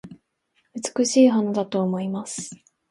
美しい花だと思います